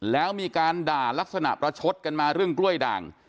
แล้วมีการด่าลักษณะประชดกันมาเรื่องกล้วยด่าง